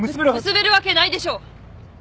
結べるわけないでしょ。